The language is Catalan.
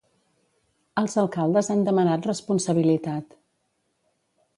Els alcaldes han demanat responsabilitat.